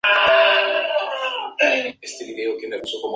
No se incluyen las recopilaciones, sólo los discos originales.